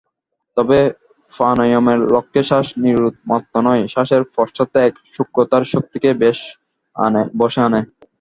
তবে প্রাণায়ামের লক্ষ্য শ্বাস-নিরোধ মাত্র নয়, শ্বাসের পশ্চাতে এক সূক্ষ্মতর শক্তিকে বশে আনা।